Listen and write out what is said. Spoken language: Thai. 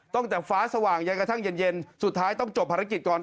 ตั้งแต่ฟ้าสว่างยันกระทั่งเย็นสุดท้ายต้องจบภารกิจก่อน